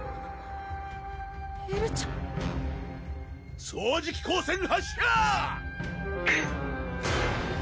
エルちゃん掃除機光線発射！